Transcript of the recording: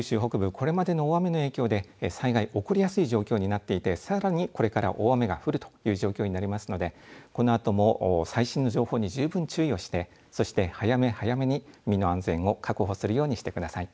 これまでの大雨の影響で災害、起こりやすい状況になっていてさらにこれから大雨が降るという状況になりますのでこのあとも最新の情報に十分注意をしてそして早め早めに身の安全を確保するようにしてください。